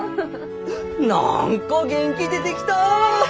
何か元気出てきた！